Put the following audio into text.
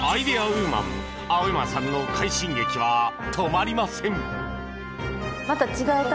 ウーマン、青山さんの快進撃は止まりません。